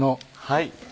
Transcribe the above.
はい。